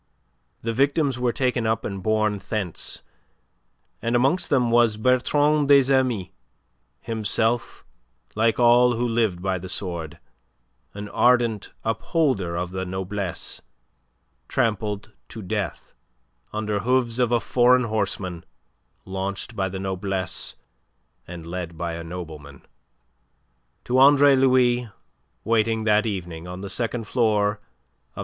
The victims were taken up and borne thence, and amongst them was Bertrand des Amis, himself like all who lived by the sword an ardent upholder of the noblesse, trampled to death under hooves of foreign horsemen launched by the noblesse and led by a nobleman. To Andre Louis, waiting that evening on the second floor of No.